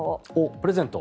プレゼント。